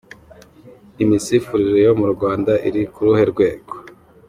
Imisifurire yo mu Rwanda iri ku ruhe rwego?.